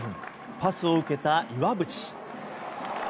パスを受けた岩渕。